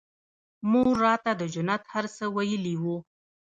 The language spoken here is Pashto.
مور راته د جنت هر څه ويلي وو.